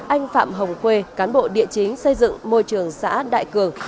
anh phạm hồng khuê cán bộ địa chính xây dựng môi trường xã đại cường